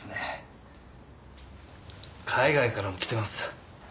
海外からも来てます。